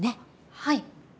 はい。